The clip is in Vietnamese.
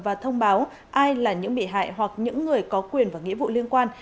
và thông báo ai là những bị hại hoặc những người có quyền và nghĩa vụ liên quan